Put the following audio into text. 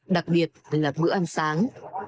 đặc biệt là bữa ăn sáng